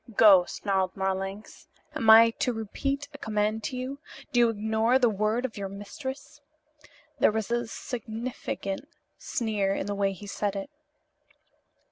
"Go!" snarled Marlanx. "Am I to repeat a command to you? Do you ignore the word of your mistress?" There was a significant sneer in the way he said it.